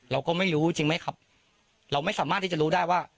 เราก็ไม่รู้จริงไหมครับเราไม่สามารถที่จะรู้ได้ว่า